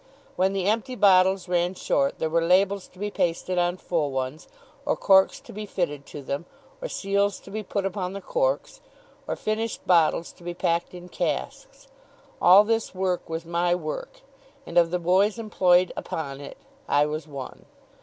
When the empty bottles ran short, there were labels to be pasted on full ones, or corks to be fitted to them, or seals to be put upon the corks, or finished bottles to be packed in casks. All this work was my work, and of the boys employed upon it I was one.